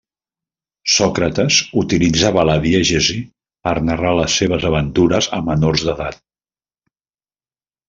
Sòcrates utilitzava la diegesi per narrar les seves aventures a menors d'edat.